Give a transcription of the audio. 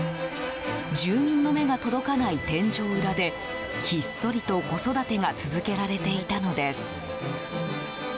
住民の目が届かない天井裏でひっそりと子育てが続けられていたのです。